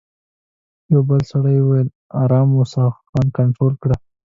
یوه بل سړي وویل: آرام اوسه، ځان کنټرول کړه.